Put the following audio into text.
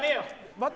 待って。